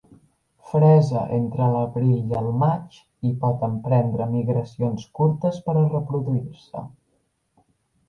Fresa entre l'abril i el maig i pot emprendre migracions curtes per a reproduir-se.